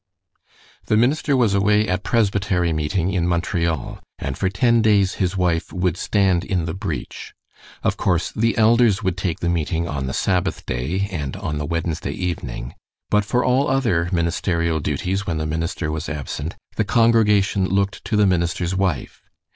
The minister was away at Presbytery meeting in Montreal, and for ten days his wife would stand in the breach. Of course the elders would take the meeting on the Sabbath day and on the Wednesday evening, but for all other ministerial duties when the minister was absent the congregation looked to the minister's wife.